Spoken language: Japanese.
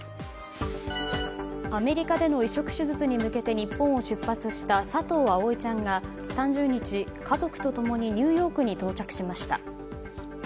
アメリカでの移植手術に向けて日本を出発した佐藤葵ちゃんが３０日、家族と共にニューヨークに到着しました。